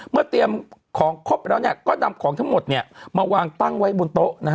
เมื่อเตรียมของครบแล้วก็นำของทั้งหมดมาวางตั้งไว้บนโต๊ะ